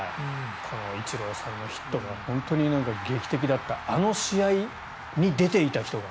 イチローさんのヒットが劇的だったあの試合に出ていた人が。